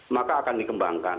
maka akan dikembangkan